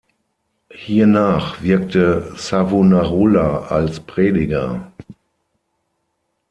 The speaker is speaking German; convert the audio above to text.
Hiernach wirkte Savonarola als Prediger.